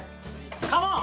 カモン。